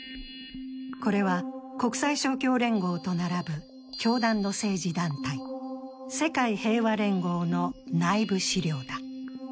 これは、国際勝共連合と並ぶ教団の政治団体・世界平和連合の内部資料だ。